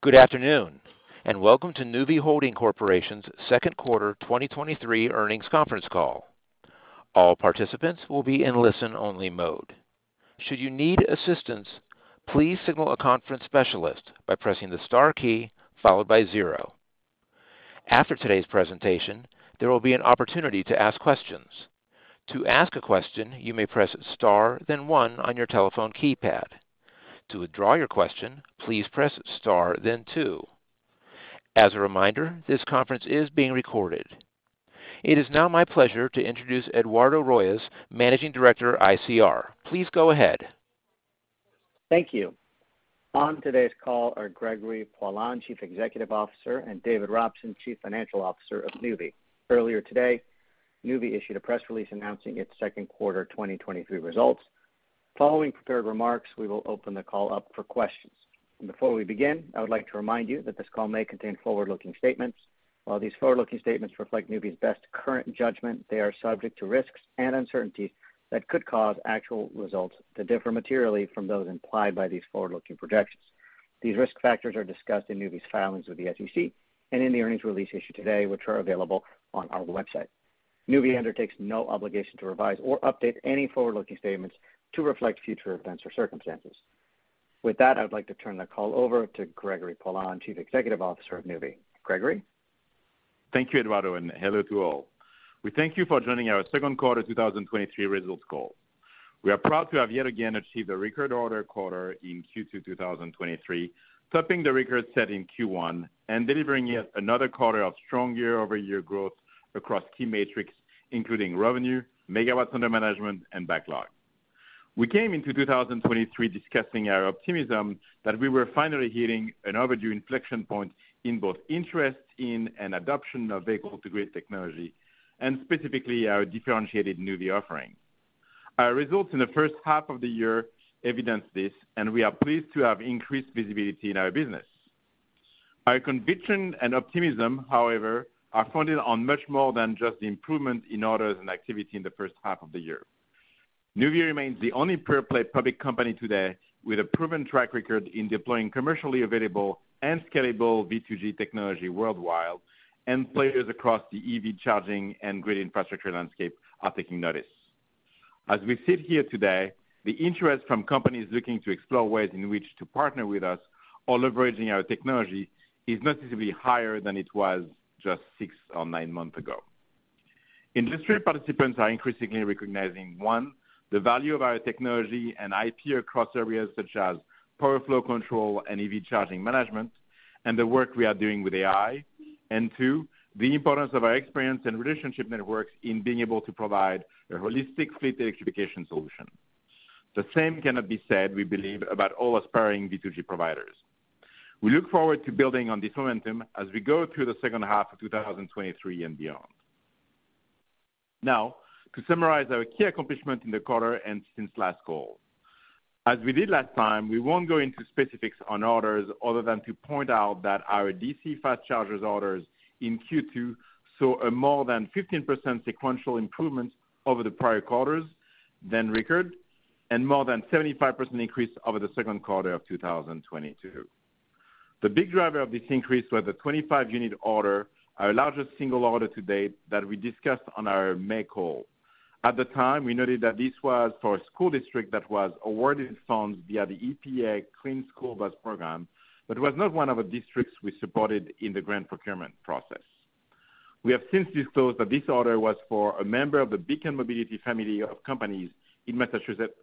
Good afternoon, welcome to Nuvve Holding Corporation's Second Quarter 2023 Earnings Conference Call. All participants will be in listen-only mode. Should you need assistance, please signal a conference specialist by pressing the star key followed by zero. After today's presentation, there will be an opportunity to ask questions. To ask a question, you may press star, then one on your telephone keypad. To withdraw your question, please press star, then two. As a reminder, this conference is being recorded. It is now my pleasure to introduce Eduardo Royes, Managing Director, ICR. Please go ahead. Thank you. On today's call are Gregory Poilasne, Chief Executive Officer, and David Robson, Chief Financial Officer of Nuvve. Earlier today, Nuvve issued a press release announcing its second quarter 2023 results. Following prepared remarks, we will open the call up for questions. Before we begin, I would like to remind you that this call may contain forward-looking statements. While these forward-looking statements reflect Nuvve's best current judgment, they are subject to risks and uncertainties that could cause actual results to differ materially from those implied by these forward-looking projections. These risk factors are discussed in Nuvve's filings with the SEC and in the earnings release issued today, which are available on our website. Nuvve undertakes no obligation to revise or update any forward-looking statements to reflect future events or circumstances. With that, I'd like to turn the call over to Gregory Poilasne, Chief Executive Officer of Nuvve. Gregory? Thank you, Eduardo, and hello to all. We thank you for joining our second quarter 2023 results call. We are proud to have yet again achieved a record order quarter in Q2 2023, topping the record set in Q1, and delivering yet another quarter of strong year-over-year growth across key metrics, including revenue, megawatts under management, and backlog. We came into 2023 discussing our optimism that we were finally hitting an overdue inflection point in both interest in and adoption of vehicle-to-grid technology, and specifically our differentiated Nuvve offering. Our results in the first half of the year evidenced this, and we are pleased to have increased visibility in our business. Our conviction and optimism, however, are founded on much more than just the improvement in orders and activity in the first half of the year. Nuvve remains the only pure-play public company today with a proven track record in deploying commercially available and scalable V2G technology worldwide, and players across the EV charging and grid infrastructure landscape are taking notice. As we sit here today, the interest from companies looking to explore ways in which to partner with us or leveraging our technology is noticeably higher than it was just six or nine months ago. Industry participants are increasingly recognizing, one, the value of our technology and IP across areas such as power flow control and EV charging management, and the work we are doing with AI. Two, the importance of our experience and relationship networks in being able to provide a holistic fleet electrification solution. The same cannot be said, we believe, about all aspiring V2G providers. We look forward to building on this momentum as we go through the second half of 2023 and beyond. To summarize our key accomplishments in the quarter and since last call. As we did last time, we won't go into specifics on orders other than to point out that our DC fast chargers orders in Q2 saw a more than 15% sequential improvement over the prior quarters, then record, and more than 75% increase over the second quarter of 2022. The big driver of this increase was a 25-unit order, our largest single order to date, that we discussed on our May call. At the time, we noted that this was for a school district that was awarded funds via the EPA Clean School Bus Program, but was not one of the districts we supported in the grant procurement process. We have since disclosed that this order was for a member of the Beacon Mobility family of companies in Massachusetts.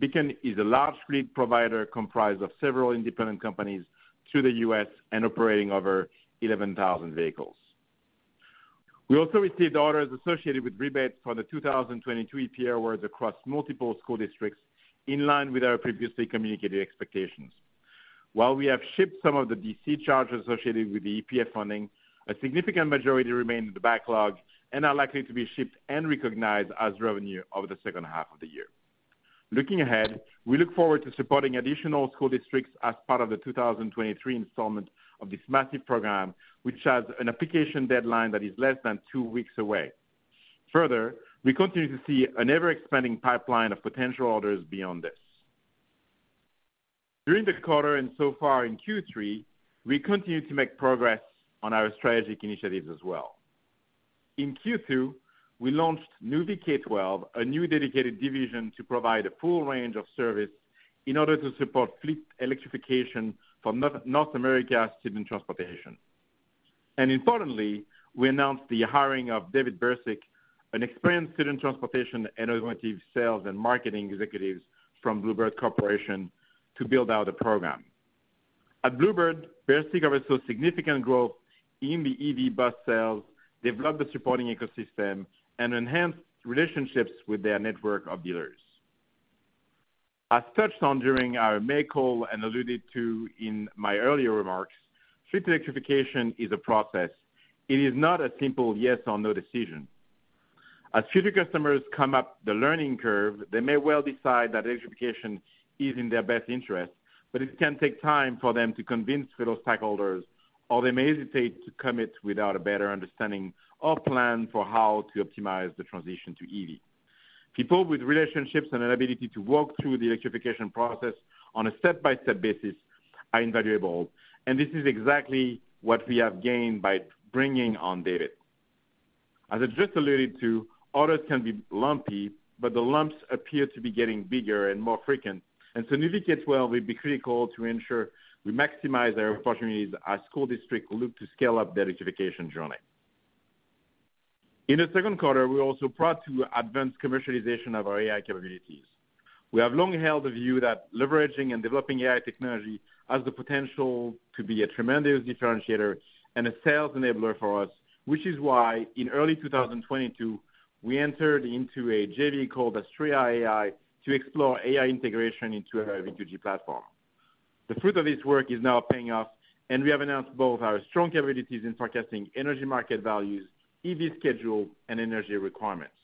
Beacon is a large fleet provider comprised of several independent companies through the U.S. and operating over 11,000 vehicles. We also received orders associated with rebates for the 2022 EPA awards across multiple school districts, in line with our previously communicated expectations. While we have shipped some of the DC chargers associated with the EPA funding, a significant majority remain in the backlog and are likely to be shipped and recognized as revenue over the second half of the year. Looking ahead, we look forward to supporting additional school districts as part of the 2023 installment of this massive program, which has an application deadline that is less than two weeks away. Further, we continue to see an ever-expanding pipeline of potential orders beyond this. During the quarter and so far in Q3, we continued to make progress on our strategic initiatives as well. In Q2, we launched Nuvve K-12, a new dedicated division to provide a full range of service in order to support fleet electrification for North America student transportation. Importantly, we announced the hiring of David Bercik, an experienced student transportation and automotive sales and marketing executive from Blue Bird Corporation, to build out the program. At Blue Bird, Bercik oversaw significant growth in the EV bus sales, developed the supporting ecosystem, and enhanced relationships with their network of dealers. As touched on during our May call and alluded to in my earlier remarks, fleet electrification is a process. It is not a simple yes or no decision. As future customers come up the learning curve, they may well decide that electrification is in their best interest, but it can take time for them to convince those stakeholders, or they may hesitate to commit without a better understanding or plan for how to optimize the transition to EV. People with relationships and an ability to walk through the electrification process on a step-by-step basis are invaluable, this is exactly what we have gained by bringing on David. As I just alluded to, orders can be lumpy, the lumps appear to be getting bigger and more frequent, Nuvve gets where we'll be critical to ensure we maximize our opportunities as school districts look to scale up their electrification journey. In the second quarter, we're also proud to advance commercialization of our AI capabilities. We have long held the view that leveraging and developing AI technology has the potential to be a tremendous differentiator and a sales enabler for us, which is why, in early 2022, we entered into a JV called Astrea AI to explore AI integration into our V2G platform. The fruit of this work is now paying off, and we have announced both our strong capabilities in forecasting energy market values, EV schedule, and energy requirements.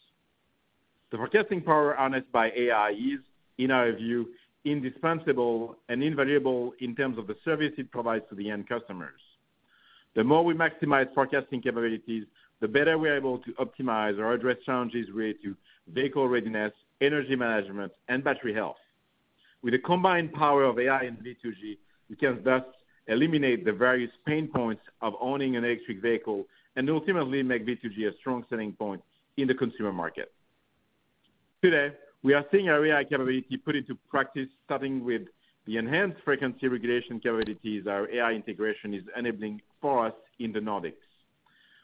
The forecasting power harnessed by AI is, in our view, indispensable and invaluable in terms of the service it provides to the end customers. The more we maximize forecasting capabilities, the better we are able to optimize or address challenges related to vehicle readiness, energy management, and battery health. With the combined power of AI and V2G, we can thus eliminate the various pain points of owning an electric vehicle and ultimately make V2G a strong selling point in the consumer market. Today, we are seeing our AI capability put into practice, starting with the enhanced frequency regulation capabilities our AI integration is enabling for us in the Nordics.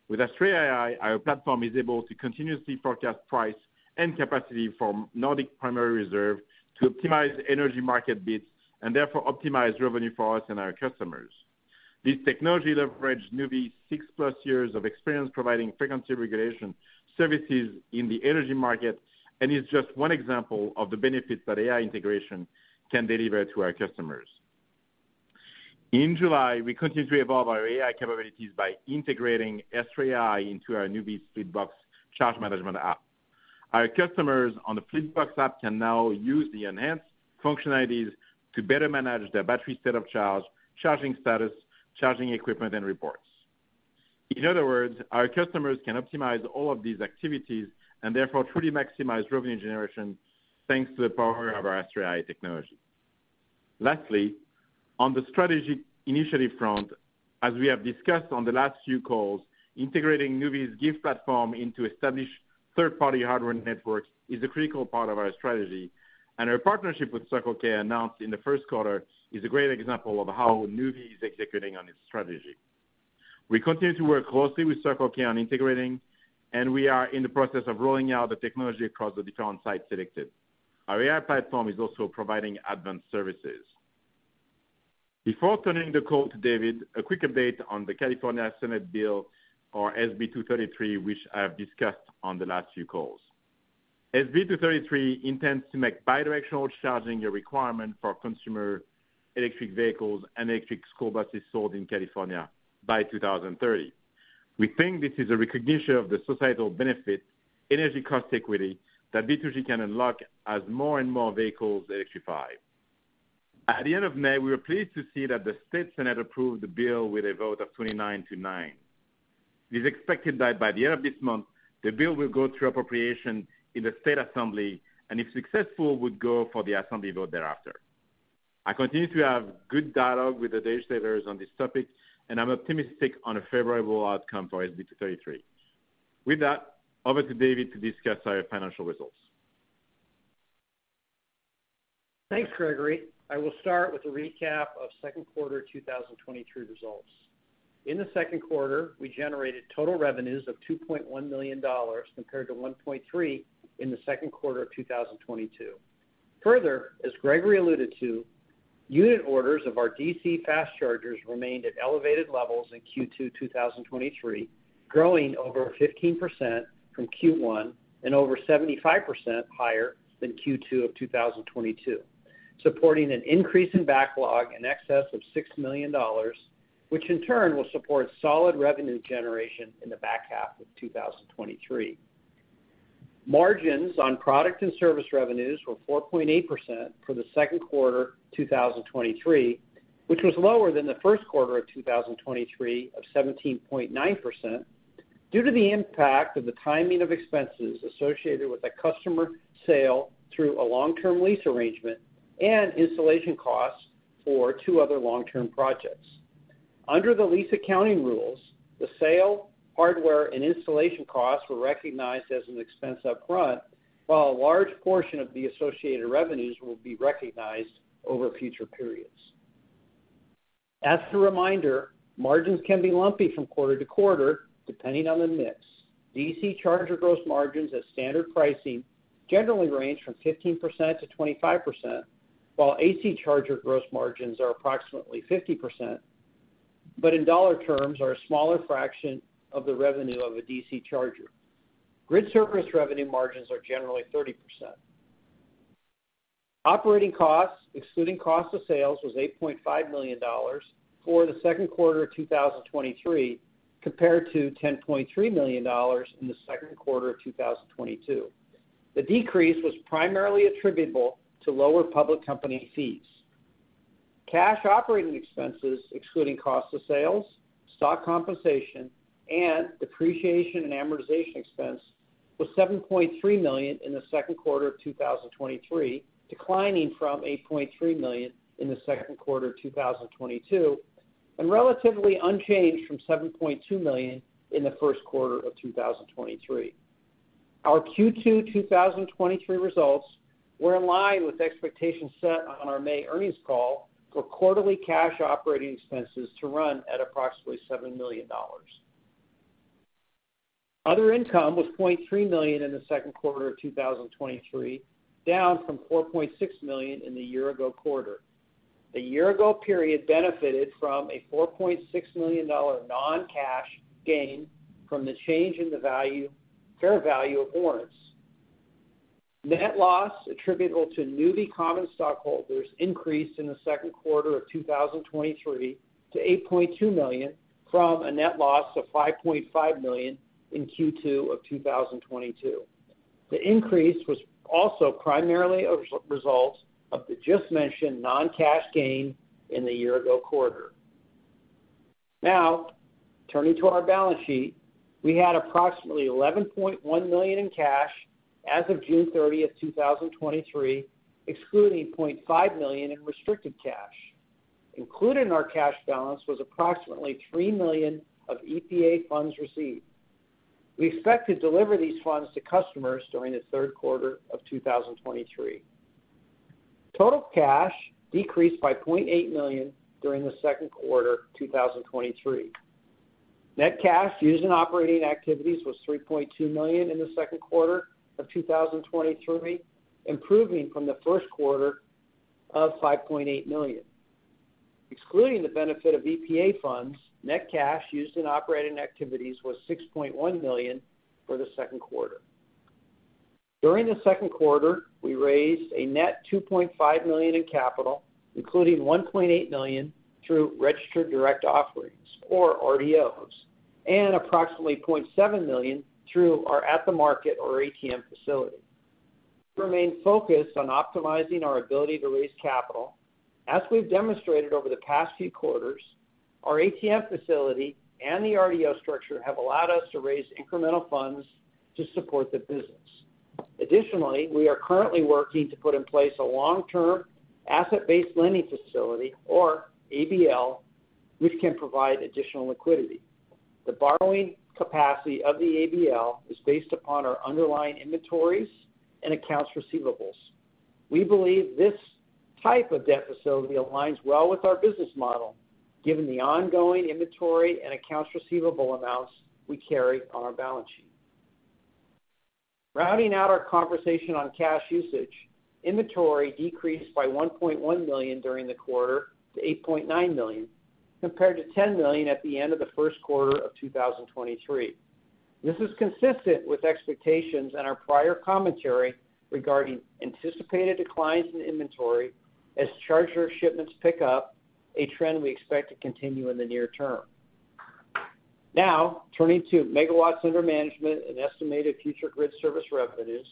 With Astrea AI, our platform is able to continuously forecast price and capacity from Nordic primary reserves to optimize energy market bids and therefore optimize revenue for us and our customers. This technology leveraged Nuvve's six-plus years of experience providing frequency regulation services in the energy market and is just one example of the benefits that AI integration can deliver to our customers. In July, we continued to evolve our AI capabilities by integrating Astrea AI into our Nuvve FleetBox charge management app. Our customers on the FleetBox app can now use the enhanced functionalities to better manage their battery state of charge, charging status, charging equipment, and reports. In other words, our customers can optimize all of these activities and therefore truly maximize revenue generation, thanks to the power of our Astrea AI technology. Lastly, on the strategy initiative front, as we have discussed on the last few calls, integrating Nuvve's GIVe platform into established third-party hardware networks is a critical part of our strategy, and our partnership with Circle K, announced in the first quarter, is a great example of how Nuvve is executing on its strategy. We continue to work closely with Circle K on integrating, and we are in the process of rolling out the technology across the different sites selected. Our AI platform is also providing advanced services. Before turning the call to David, a quick update on the California Senate Bill, or SB233, which I have discussed on the last few calls. SB233 intends to make bidirectional charging a requirement for consumer electric vehicles and electric school buses sold in California by 2030. We think this is a recognition of the societal benefit, energy cost equity, that V2G can unlock as more and more vehicles electrify. At the end of May, we were pleased to see that the State Senate approved the bill with a vote of 29 to nine. It is expected that by the end of this month, the bill will go through appropriation in the State Assembly, and if successful, would go for the Assembly vote thereafter. I continue to have good dialogue with the legislators on this topic, and I'm optimistic on a favorable outcome for SB233. With that, over to David to discuss our financial results. Thanks, Gregory. I will start with a recap of second quarter 2023 results. In the second quarter, we generated total revenues of $2.1 million, compared to $1.3 million in the second quarter of 2022. As Gregory alluded to, unit orders of our DC fast chargers remained at elevated levels in Q2 2023, growing over 15% from Q1 and over 75% higher than Q2 of 2022, supporting an increase in backlog in excess of $6 million, which in turn will support solid revenue generation in the back half of 2023. Margins on product and service revenues were 4.8% for the second quarter 2023, which was lower than the first quarter of 2023 of 17.9%, due to the impact of the timing of expenses associated with a customer sale through a long-term lease arrangement and installation costs for two other long-term projects. Under the lease accounting rules, the sale, hardware, and installation costs were recognized as an expense up front, while a large portion of the associated revenues will be recognized over future periods. As a reminder, margins can be lumpy from quarter to quarter, depending on the mix. DC charger gross margins at standard pricing generally range from 15%-25%, while AC charger gross margins are approximately 50%, but in dollar terms, are a smaller fraction of the revenue of a DC charger. Grid service revenue margins are generally 30%. Operating costs, excluding cost of sales, was $8.5 million for the second quarter of 2023, compared to $10.3 million in the second quarter of 2022. The decrease was primarily attributable to lower public company fees.... Cash operating expenses, excluding cost of sales, stock compensation, and depreciation and amortization expense, was $7.3 million in the second quarter of 2023, declining from $8.3 million in the second quarter of 2022, and relatively unchanged from $7.2 million in the first quarter of 2023. Our Q2 2023 results were in line with expectations set on our May earnings call for quarterly cash operating expenses to run at approximately $7 million. Other income was $0.3 million in the second quarter of 2023, down from $4.6 million in the year-ago quarter. The year-ago period benefited from a $4.6 million non-cash gain from the change in the fair value of warrants. Net loss attributable to Nuvve common stockholders increased in the second quarter of 2023 to $8.2 million, from a net loss of $5.5 million in Q2 of 2022. The increase was also primarily a result of the just mentioned non-cash gain in the year-ago quarter. Turning to our balance sheet. We had approximately $11.1 million in cash as of June 30, 2023, excluding $0.5 million in restricted cash. Included in our cash balance was approximately $3 million of EPA funds received. We expect to deliver these funds to customers during the third quarter of 2023. Total cash decreased by $0.8 million during the second quarter 2023. Net cash used in operating activities was $3.2 million in the second quarter of 2023, improving from the first quarter of $5.8 million. Excluding the benefit of EPA funds, net cash used in operating activities was $6.1 million for the second quarter. During the second quarter, we raised a net $2.5 million in capital, including $1.8 million through registered direct offerings, or RDOs, and approximately $0.7 million through our at-the-market, or ATM, facility. We remain focused on optimizing our ability to raise capital. As we've demonstrated over the past few quarters, our ATM facility and the RDO structure have allowed us to raise incremental funds to support the business. Additionally, we are currently working to put in place a long-term asset-based lending facility, or ABL, which can provide additional liquidity. The borrowing capacity of the ABL is based upon our underlying inventories and accounts receivables. We believe this type of debt facility aligns well with our business model, given the ongoing inventory and accounts receivable amounts we carry on our balance sheet. Rounding out our conversation on cash usage, inventory decreased by $1.1 million during the quarter to $8.9 million, compared to $10 million at the end of the first quarter of 2023. This is consistent with expectations and our prior commentary regarding anticipated declines in inventory as charger shipments pick up, a trend we expect to continue in the near term. Now, turning to megawatts under management and estimated future grid service revenues.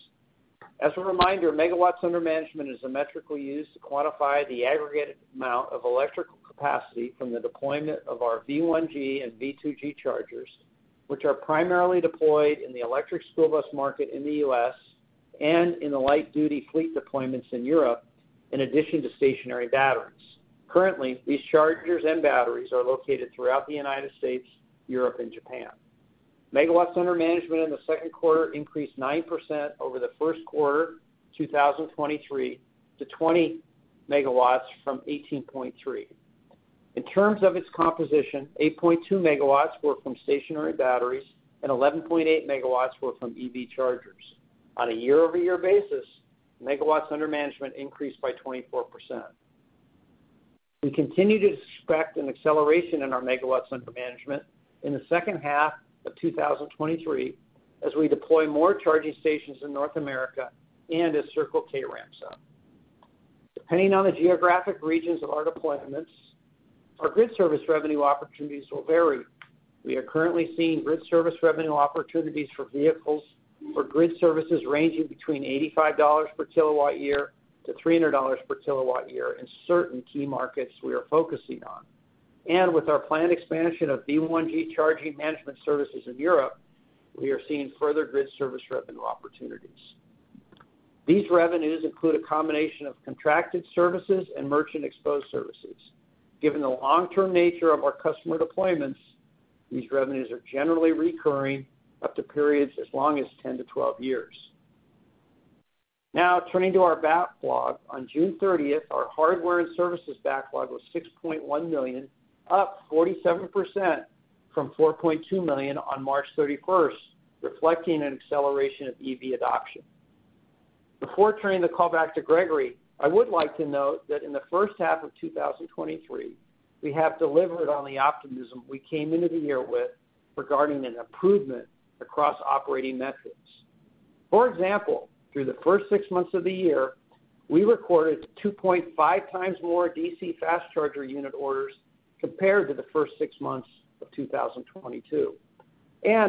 As a reminder, megawatts under management is a metric we use to quantify the aggregated amount of electrical capacity from the deployment of our V1G and V2G chargers, which are primarily deployed in the electric school bus market in the U.S. and in the light-duty fleet deployments in Europe, in addition to stationary batteries. Currently, these chargers and batteries are located throughout the United States, Europe, and Japan. Megawatts under management in the second quarter increased 9% over the first quarter 2023 to 20 MW from 18.3. In terms of its composition, 8.2 MW were from stationary batteries and 11.8 MW were from EV chargers. On a year-over-year basis, megawatts under management increased by 24%. We continue to expect an acceleration in our megawatts under management in the second half of 2023 as we deploy more charging stations in North America and as Circle K ramps up. Depending on the geographic regions of our deployments, our grid service revenue opportunities will vary. We are currently seeing grid service revenue opportunities for vehicles or grid services ranging between $85 per kilowatt year in certain key markets we are focusing on. With our planned expansion of V1G charging management services in Europe, we are seeing further grid service revenue opportunities. These revenues include a combination of contracted services and merchant exposed services. Given the long-term nature of our customer deployments, these revenues are generally recurring up to periods as long as 10-12 years. Turning to our backlog. On June 30th, our hardware and services backlog was $6.1 million, up 47% from $4.2 million on March 31st, reflecting an acceleration of EV adoption. Before turning the call back to Gregory, I would like to note that in the first half of 2023, we have delivered on the optimism we came into the year with regarding an improvement across operating metrics. For example, through the first six months of the year, we recorded 2.5 times more DC fast charger unit orders compared to the first six months of 2022.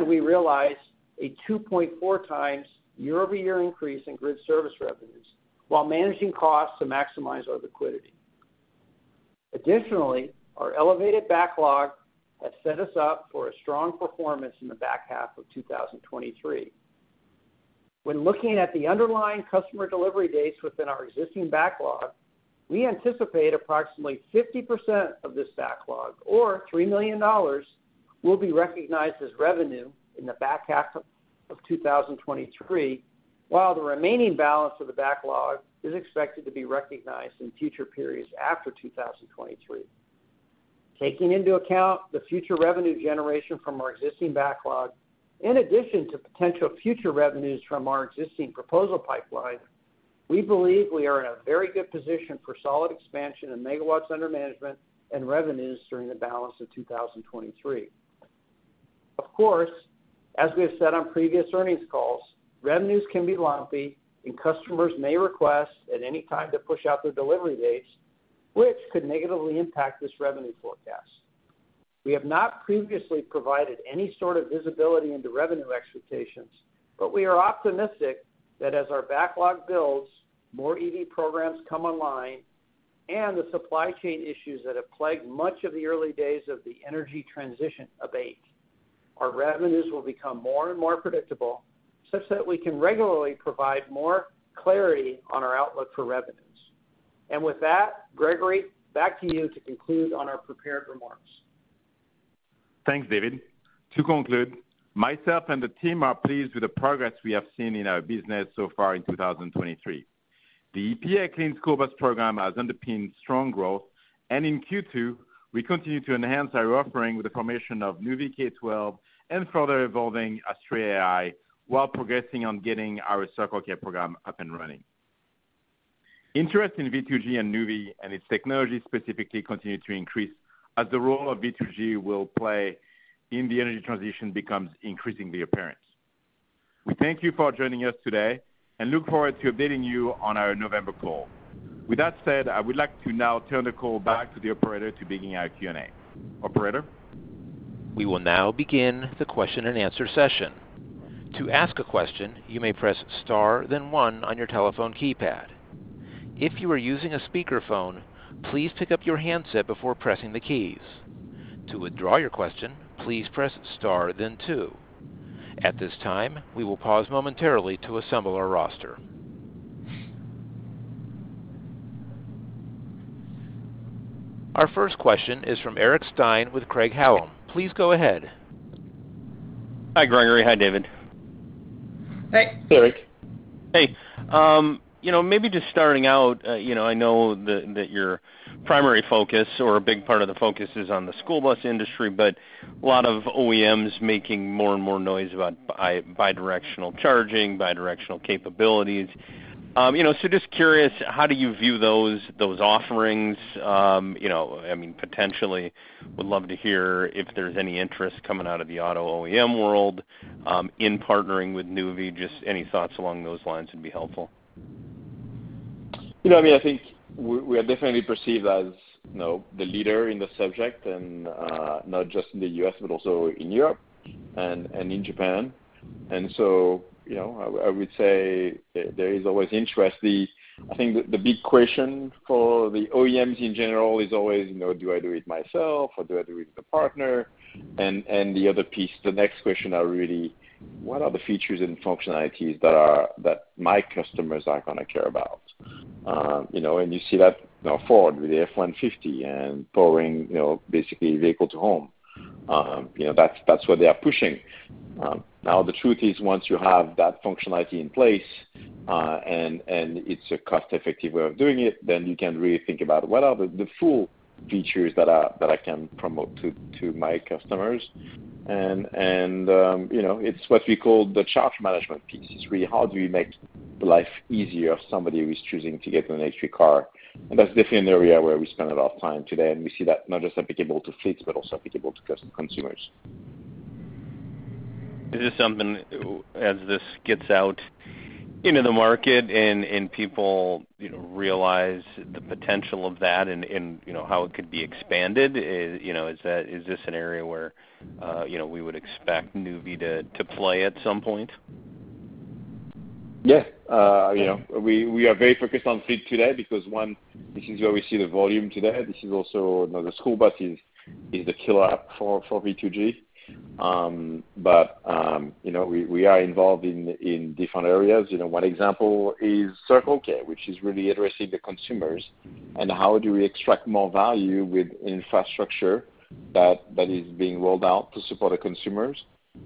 We realized a 2.4 times year-over-year increase in grid service revenues, while managing costs to maximize our liquidity. Additionally, our elevated backlog has set us up for a strong performance in the back half of 2023. When looking at the underlying customer delivery dates within our existing backlog, we anticipate approximately 50% of this backlog, or $3 million, will be recognized as revenue in the back half of 2023, while the remaining balance of the backlog is expected to be recognized in future periods after 2023. Taking into account the future revenue generation from our existing backlog, in addition to potential future revenues from our existing proposal pipeline, we believe we are in a very good position for solid expansion in megawatts under management and revenues during the balance of 2023. Of course, as we have said on previous earnings calls, revenues can be lumpy, and customers may request at any time to push out their delivery dates, which could negatively impact this revenue forecast. We have not previously provided any sort of visibility into revenue expectations, but we are optimistic that as our backlog builds, more EV programs come online, and the supply chain issues that have plagued much of the early days of the energy transition abate, our revenues will become more and more predictable, such that we can regularly provide more clarity on our outlook for revenues. With that, Gregory, back to you to conclude on our prepared remarks. Thanks, David. To conclude, myself and the team are pleased with the progress we have seen in our business so far in 2023. The EPA Clean School Bus program has underpinned strong growth. In Q2, we continued to enhance our offering with the formation of Nuvve K-12 and further evolving Astrea AI, progressing on getting our Circle K program up and running. Interest in V2G and Nuvve and its technology specifically continued to increase as the role of V2G will play in the energy transition becomes increasingly apparent. We thank you for joining us today and look forward to updating you on our November call. That said, I would like to now turn the call back to the operator to begin our Q&A. Operator? We will now begin the question-and-answer session. To ask a question, you may press star, then one on your telephone keypad. If you are using a speakerphone, please pick up your handset before pressing the keys. To withdraw your question, please press star then two. At this time, we will pause momentarily to assemble our roster. Our first question is from Eric Stine with Craig-Hallum. Please go ahead. Hi, Gregory. Hi, David. Hey, Eric. Hey, you know, maybe just starting out, you know, I know that, that your primary focus or a big part of the focus is on the school bus industry, but a lot of OEMs making more and more noise about bidirectional charging, bidirectional capabilities. You know, so just curious, how do you view those, those offerings? You know, I mean, potentially, would love to hear if there's any interest coming out of the auto OEM world, in partnering with Nuvve? Just any thoughts along those lines would be helpful. You know, I mean, I think we, we are definitely perceived as, you know, the leader in the subject, and not just in the U.S., but also in Europe and in Japan. You know, I, I would say there, there is always interest. I think the big question for the OEMs in general is always, you know, do I do it myself, or do I do it with a partner? The other piece, the next question are really, what are the features and functionalities that my customers are gonna care about? You know, you see that, you know, Ford with the F-150 and powering, you know, basically vehicle-to-home. You know, that's, that's what they are pushing. Now, the truth is, once you have that functionality in place, it's a cost-effective way of doing it, then you can really think about what are the, the full features that I, that I can promote to, to my customers. You know, it's what we call the charge management piece. It's really how do we make life easier if somebody is choosing to get an EV car? That's definitely an area where we spend a lot of time today, and we see that not just applicable to fleets, but also applicable to consumers. Is this something, as this gets out into the market and, and people, you know, realize the potential of that and, and, you know, how it could be expanded, you know, is this an area where, you know, we would expect Nuvve to play at some point? Yeah. You know, we, we are very focused on fleet today because, one, this is where we see the volume today. This is also, you know, the school bus is, is the killer app for, for V2G. You know, we, we are involved in, in different areas. You know, one example is Circle K, which is really addressing the consumers, and how do we extract more value with infrastructure that, that is being rolled out to support the consumers,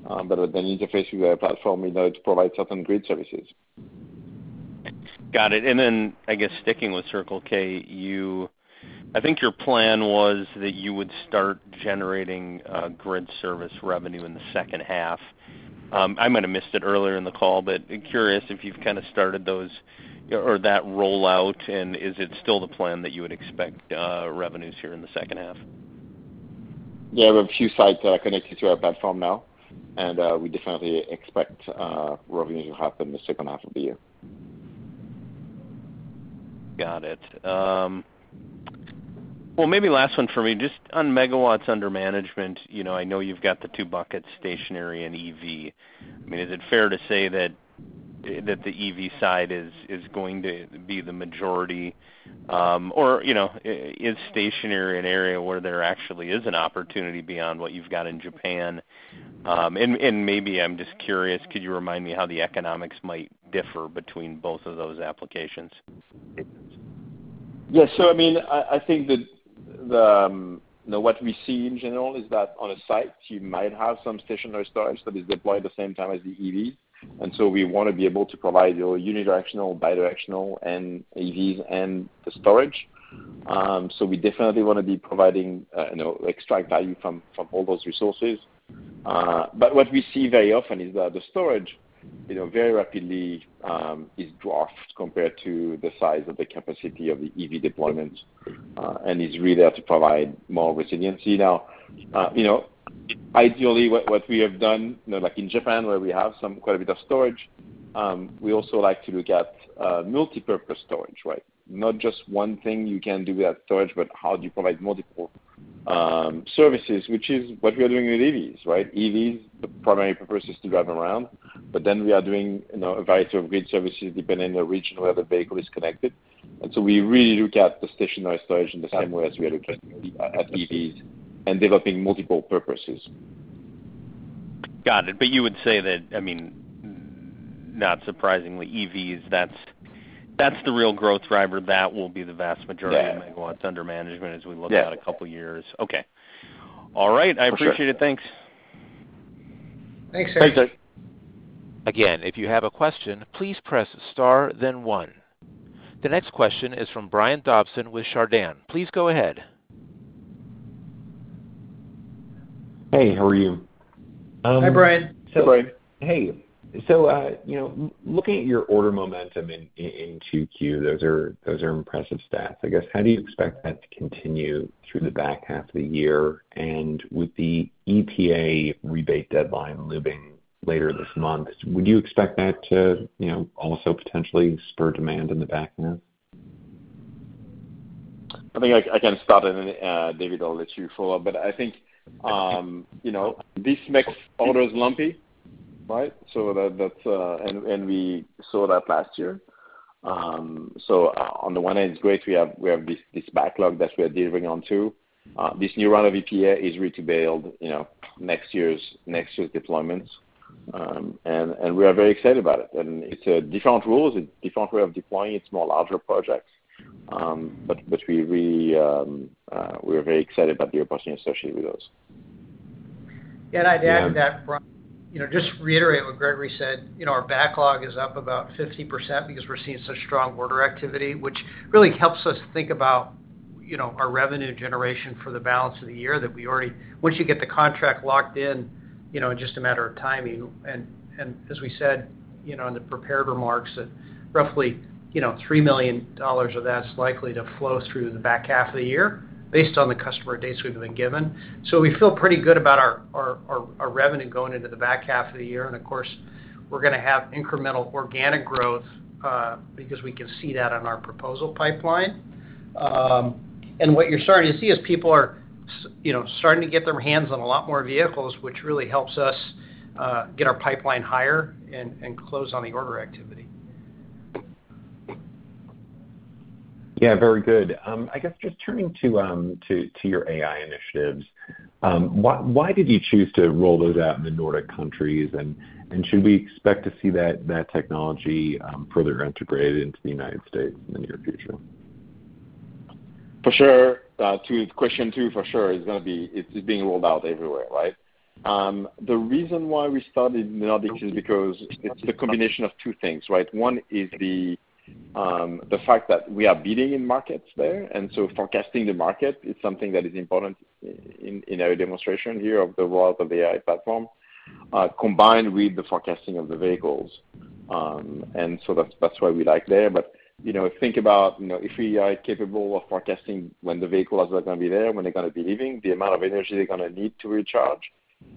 but then interface with our platform, in order to provide certain grid services. Got it. Then, I guess, sticking with Circle K, I think your plan was that you would start generating grid service revenue in the second half. I might have missed it earlier in the call, curious if you've kind of started those or that rollout, is it still the plan that you would expect revenues here in the second half? Yeah, we have a few sites, connected to our platform now, and we definitely expect revenue to happen the second half of the year. Got it. Well, maybe last one for me, just on megawatts under management, you know, I know you've got the two buckets, stationary and EV. I mean, is it fair to say that, that the EV side is, is going to be the majority? You know, is stationary an area where there actually is an opportunity beyond what you've got in Japan? And maybe I'm just curious, could you remind me how the economics might differ between both of those applications? Yeah. I mean, I, I think that the, you know, what we see in general is that on a site, you might have some stationary storage that is deployed the same time as the EV. We want to be able to provide your unidirectional, bidirectional, and EVs, and the storage. We definitely want to be providing, you know, extract value from, from all those resources. What we see very often is that the storage, you know, very rapidly, is dwarfed compared to the size of the capacity of the EV deployment, and is really there to provide more resiliency. Now, you know, ideally, what, what we have done, you know, like in Japan, where we have some quite a bit of storage, we also like to look at multipurpose storage, right? Not just one thing you can do with storage, but how do you provide multiple services, which is what we are doing with EVs, right? EVs, the primary purpose is to drive around, but then we are doing, you know, a variety of grid services depending on the region where the vehicle is connected. We really look at the stationary storage in the same way as we are looking at EVs and developing multiple purposes. Got it. You would say that, I mean, not surprisingly, EVs, that's, that's the real growth driver. That will be the vast majority- Yeah. -Of megawatts under management as we look out- Yeah. a couple of years. Okay. All right. For sure. I appreciate it. Thanks. Thanks, Eric. Thanks, Eric. Again, if you have a question, please press star, then one. The next question is from Brian Dobson with Chardan. Please go ahead. Hey, how are you? Hi, Brian. Hi, Brian. Hey. you know, looking at your order momentum in, in 2Q, those are impressive stats. I guess, how do you expect that to continue through the back half of the year? With the EPA rebate deadline looming later this month, would you expect that to, you know, also potentially spur demand in the back half? I think I, I can start it, and David, I'll let you follow up. I think, you know, this makes orders lumpy, right? That, that's. We saw that last year. On the one hand, it's great. We have, we have this, this backlog that we are delivering on to. This new round of EPA is really to build, you know, next year's, next year's deployments. We are very excited about it. It's a different rules, it's different way of deploying. It's more larger projects, but we really, we are very excited about the opportunity associated with those. Yeah, I'd add to that, Brian, you know, just to reiterate what Gregory said, you know, our backlog is up about 50% because we're seeing such strong order activity, which really helps us think about, you know, our revenue generation for the balance of the year, that we already, once you get the contract locked in, you know, it's just a matter of timing. As we said, you know, in the prepared remarks, that roughly, you know, $3 million of that's likely to flow through the back half of the year, based on the customer dates we've been given. We feel pretty good about our, our, our, our revenue going into the back half of the year. Of course, we're gonna have incremental organic growth because we can see that on our proposal pipeline. What you're starting to see is people are you know, starting to get their hands on a lot more vehicles, which really helps us get our pipeline higher and, and close on the order activity. Yeah, very good. I guess just turning to your AI initiatives, why did you choose to roll those out in the Nordic countries? Should we expect to see that technology further integrated into the United States in the near future? For sure, question two, for sure, is gonna be. It's, it's being rolled out everywhere, right? The reason why we started in the Nordics is because it's the combination of two things, right? One is the fact that we are bidding in markets there, and so forecasting the market is something that is important in, in our demonstration here of the world of AI platform, combined with the forecasting of the vehicles. So that's, that's why we like there. You know, think about, you know, if we are capable of forecasting when the vehicles are gonna be there, when they're gonna be leaving, the amount of energy they're gonna need to recharge,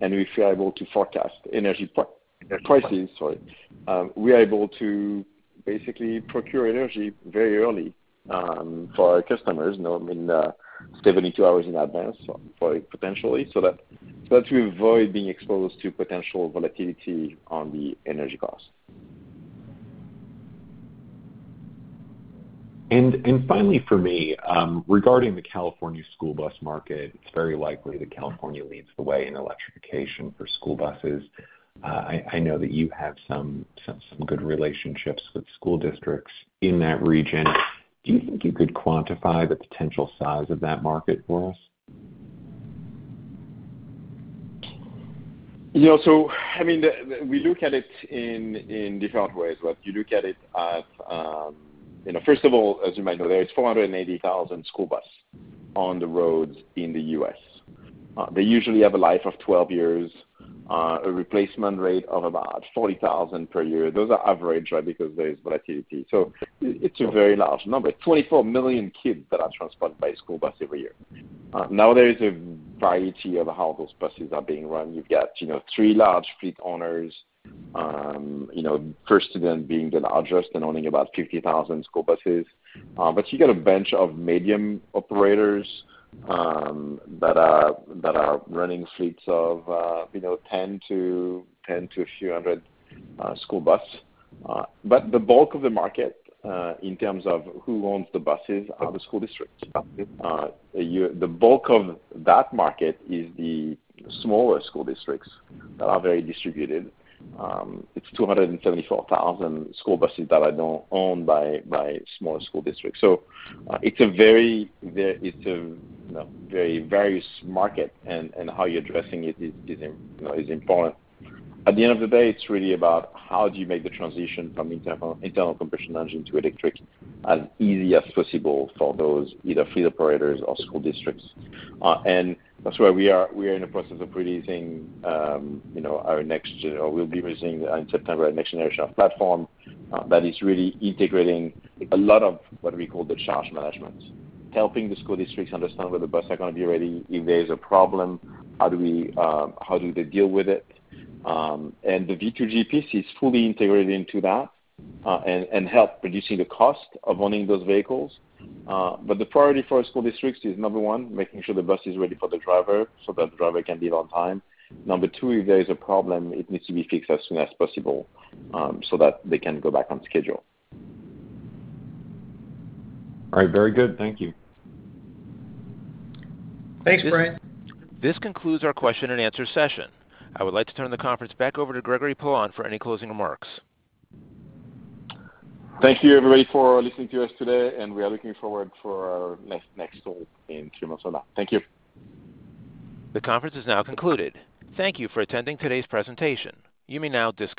and if we are able to forecast energy pri- prices, sorry, we are able to basically procure energy very early for our customers, you know, I mean, 72 hours in advance, for potentially, so that, so that we avoid being exposed to potential volatility on the energy costs. Finally, for me, regarding the California school bus market, it's very likely that California leads the way in electrification for school buses. I, I know that you have some, some, some good relationships with school districts in that region. Do you think you could quantify the potential size of that market for us? You know, so I mean, the, we look at it in, in different ways, but you look at it as, you know, first of all, as you might know, there is 480,000 school bus on the roads in the U.S. They usually have a life of 12 years, a replacement rate of about 40,000 per year. Those are average, right? Because there is volatility. It's a very large number. 24 million kids that are transported by school bus every year. There is a variety of how those buses are being run. You've got, you know, three large fleet owners, you know, first of them being the largest and owning about 50,000 school buses. You get a bunch of medium operators that are, that are running fleets of, you know, 10 to, 10 to a few hundred school bus. The bulk of the market in terms of who owns the buses, are the school districts. The bulk of that market is the smaller school districts that are very distributed. It's 274,000 school buses that are now owned by, by smaller school districts. It's a very, very, it's a, you know, very various market, and, and how you're addressing it is, is, you know, is important. At the end of the day, it's really about how do you make the transition from internal, internal combustion engine to electric as easy as possible for those either fleet operators or school districts? That's why we are- we are in the process of releasing, you know, our next generation of platform, that is really integrating a lot of what we call the charge management. Helping the school districts understand where the bus are gonna be ready, if there is a problem, how do we, how do they deal with it? The V2G piece is fully integrated into that, and help reducing the cost of owning those vehicles. The priority for our school districts is, number one, making sure the bus is ready for the driver so that the driver can leave on time. Number two, if there is a problem, it needs to be fixed as soon as possible, so that they can go back on schedule. All right. Very good. Thank you. Thanks, Brian. This concludes our question and answer session. I would like to turn the conference back over to Gregory Poilasne for any closing remarks. Thank you, everybody, for listening to us today. We are looking forward for our next, next call in a few months from now. Thank you. The conference is now concluded. Thank you for attending today's presentation. You may now disconnect.